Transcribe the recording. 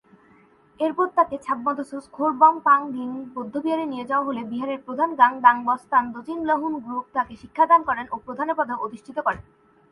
এরপর তাকে ছাব-ম্দো-ছোস-'খোর-ব্যাম্স-পা-গ্লিং বৌদ্ধবিহারে নিয়ে যাওয়া হলে বিহারের প্রধান ঙ্গাগ-দ্বাং-ব্স্তান-'দ্জিন-ল্হুন-গ্রুব তাকে শিক্ষাদান করেন ও তাকে প্রধানের পদে অধিষ্ঠিত করেন।